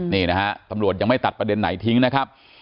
นี่นะฮะตำรวจยังไม่ตัดประเด็นไหนทิ้งนะครับ